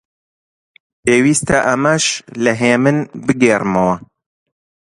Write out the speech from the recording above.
پێویستە ئەمەش لە هێمن بگێڕمەوە: